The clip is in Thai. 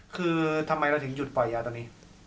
คือทำไมเราถึงหยุดปล่อยยาตอนนี้